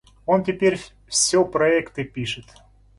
Он теперь всё проекты пишет.